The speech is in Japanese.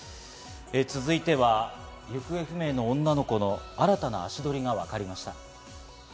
続いては、行方不明の女の子の新たな足取りがわかりました。